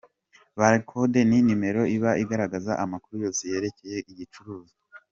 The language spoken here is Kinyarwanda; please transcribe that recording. Barcode ni nimero iba igaragaza amakuru yose yerekeye igicuruzwa.